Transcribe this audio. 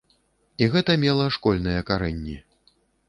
І гэта мела школьныя карэнні.